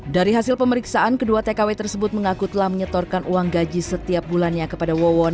dari hasil pemeriksaan kedua tkw tersebut mengaku telah menyetorkan uang gaji setiap bulannya kepada wawon